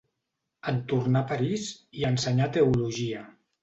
En tornar a París, hi ensenyà teologia.